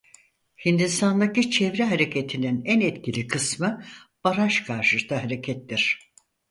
Hindistan'daki çevre hareketinin en etkili kısmı baraj karşıtı harekettir.